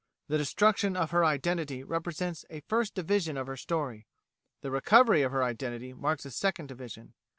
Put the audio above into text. The destruction of her identity represents a first division of her story; the recovery of her identity marks a second division.